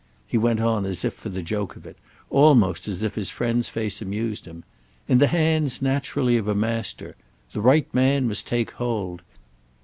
He went on as if for the joke of it—almost as if his friend's face amused him. "In the hands, naturally, of a master. The right man must take hold.